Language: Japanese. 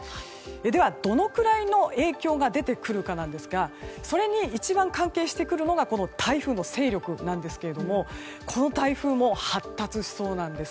では、どのくらいの影響が出てくるかですがそれに一番関係してくるのが台風の勢力なんですけどもこの台風も発達しそうなんです。